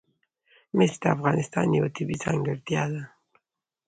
مس د افغانستان یوه طبیعي ځانګړتیا ده.